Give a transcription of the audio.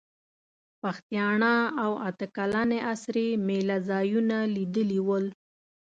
پښتیاڼا او اته کلنې اسرې مېله ځایونه لیدلي ول.